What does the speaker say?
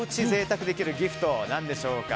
贅沢できるギフト何でしょうか。